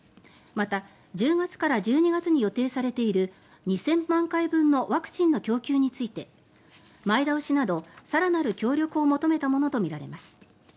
また、１０月から１２月に予定されている２０００万回分のワクチンの供給について前倒しなど更なる協力を求めたものとみられます。